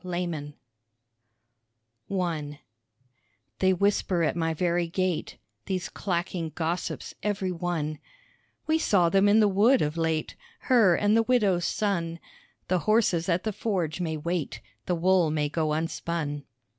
A SALEM MOTHER I They whisper at my very gate, These clacking gossips every one, "We saw them in the wood of late, Her and the widow's son; The horses at the forge may wait, The wool may go unspun."